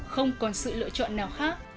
không còn sự lựa chọn nào khác